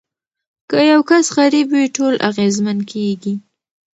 که یو کس غریب وي ټول اغیزمن کیږي.